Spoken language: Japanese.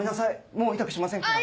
もう痛くしませんから。